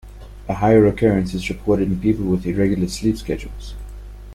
A higher occurrence is reported in people with irregular sleep schedules.